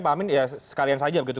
pak amin ya sekalian saja begitu